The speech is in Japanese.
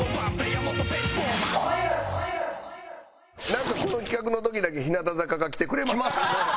なんかこの企画の時だけ日向坂が来てくれます。